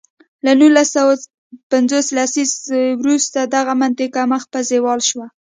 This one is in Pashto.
له نولس سوه پنځوس لسیزې وروسته دغه منطق مخ په زوال شو.